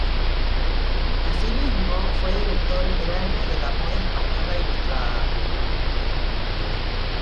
Asimismo, fue director literario de "La Moda Española Ilustrada".